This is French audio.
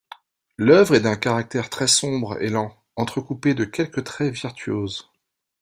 L'œuvre est d'un caractère très sombre et lent, entrecoupée de quelques traits virtuoses.